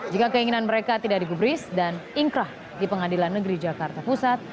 jika keinginan mereka tidak digubris dan ingkrah di pengadilan negeri jakarta pusat